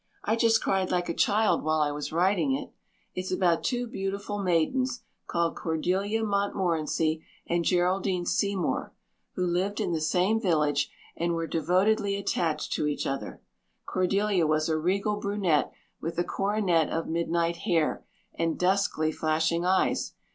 I just cried like a child while I was writing it. It's about two beautiful maidens called Cordelia Montmorency and Geraldine Seymour who lived in the same village and were devotedly attached to each other. Cordelia was a regal brunette with a coronet of midnight hair and duskly flashing eyes.